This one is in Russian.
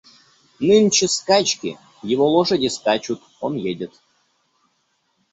Нынче скачки, его лошади скачут, он едет.